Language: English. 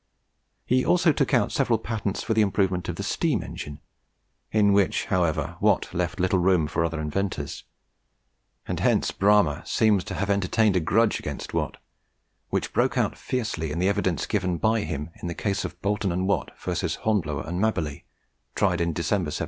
He also took out several patents for the improvement of the steam engine, in which, however, Watt left little room for other inventors; and hence Bramah seems to have entertained a grudge against Watt, which broke out fiercely in the evidence given by him in the case of Boulton and Watt versus Hornblower and Maberly, tried in December 1796.